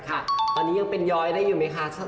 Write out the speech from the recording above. ตอนนี้ยังเป็นย้อยได้อยู่ไหมคะ